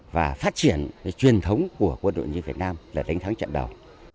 và phát triển cái truyền thống của quân đội như việt nam là đánh thắng chậm đầu